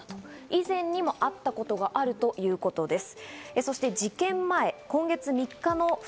以前にも会ったことがあるということです。